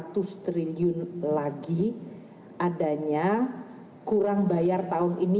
satu triliun lagi adanya kurang bayar tahun ini